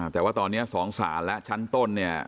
แต่ว่าตอนนี้๒ศาลและชั้นต้นเนี่ย